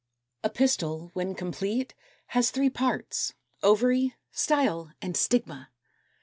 =A Pistil= (Fig. 220, 221) when complete, has three parts; OVARY, STYLE, and STIGMA.